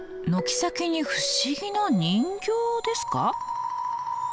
軒先に不思議な人形ですか？